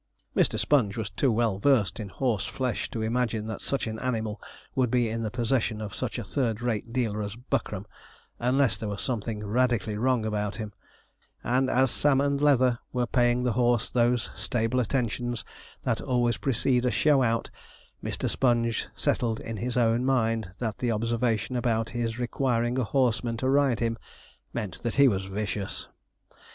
Mr. Sponge was too well versed in horse flesh to imagine that such an animal would be in the possession of such a third rate dealer as Buckram, unless there was something radically wrong about him, and as Sam and Leather were paying the horse those stable attentions that always precede a show out, Mr. Sponge settled in his own mind that the observation about his requiring a horseman to ride him, meant that he was vicious.